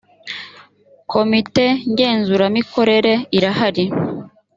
komite ngenzuramikorere irahari